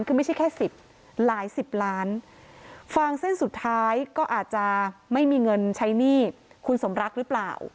คือไม่ใช่แค่สิบหลายสิบล้านฟางเส้นสุดท้ายก็อาจจะไม่มีเงินใช้หนี้คุณสมรักหรือเปล่า